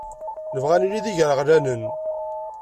Nebɣa ad nili d igraɣlanen.